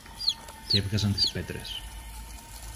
κι έβγαζαν τις πέτρες